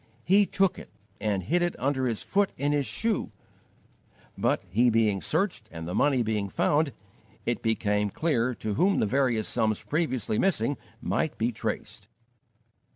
He took it and hid it under his foot in his shoe, but, he being searched and the money being found, it became clear to whom the various sums previously missing might be traced.